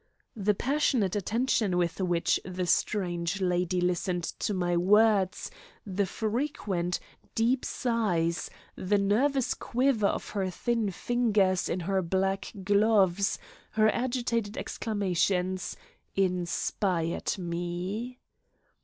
The passionate attention with which the strange lady listened to my words, the frequent, deep sighs, the nervous quiver of her thin fingers in her black gloves, her agitated exclamations inspired me.